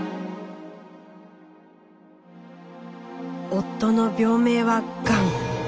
夫の病名はがん。